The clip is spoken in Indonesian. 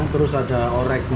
terus ada orek mie